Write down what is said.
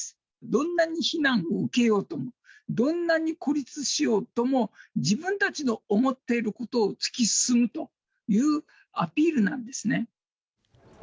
どんなに非難を受けようとも、どんなに孤立しようとも、自分たちの思っていることを突き進むというアピールなんですね。